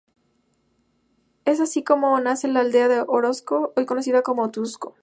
Es así como nace la "Aldea de Orozco", hoy conocida como "Otuzco".